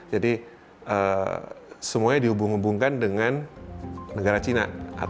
jadi semuanya dihubung hubungkan dengan negara china